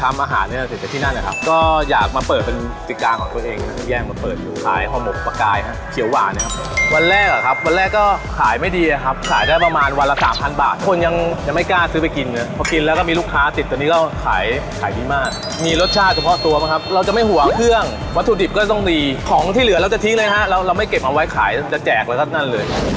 เราไม่เก็บไว้ขายจะแจกอะไรกันเลย